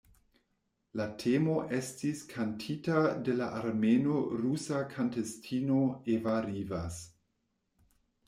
La temo estis kantita de la armeno-rusa kantistino Eva Rivas.